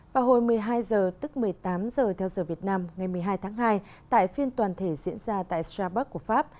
vào hồi một mươi hai h tức một mươi tám h theo giờ việt nam ngày một mươi hai tháng hai tại phiên toàn thể diễn ra tại strabak của pháp